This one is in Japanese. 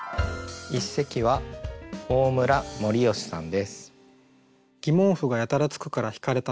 一席は大村森美さんです。